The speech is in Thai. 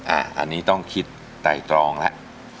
อันนี้ต้องคิดไตรตรองแล้ว